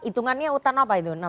itungannya utan apa itu